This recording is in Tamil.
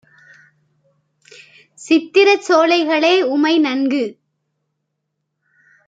சித்திரச் சோலைகளே! உமை நன்கு